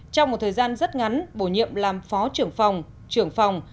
trong một thời gian rất ngắn bổ nhiệm làm phó trưởng phòng trưởng phòng